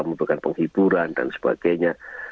membutuhkan penghiburan dan sebagainya